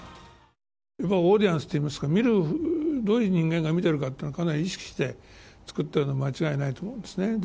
オーディエンスといいますかどういう人間が見ているかをかなり意識して作っているのは間違いないと思うんですね。